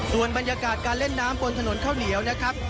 ส่วนบรรยากาศการเล่นน้ำบนถนนข้าวเหนียวนะครับ